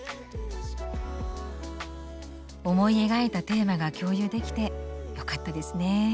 思い描いたテーマが共有できてよかったですね。